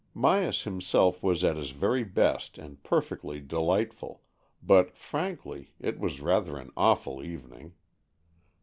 Myas himself was at his very best and perfectly delightful, but frankly, it was rather an awful evening.